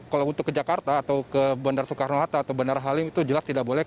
kalau untuk ke jakarta atau ke bandara soekarno hatta atau bandara halim itu jelas tidak boleh